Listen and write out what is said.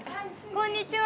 こんにちは。